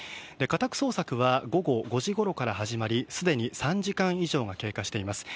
家宅捜索は午後５時ごろから始まり、すでに３時間以上が経過しています。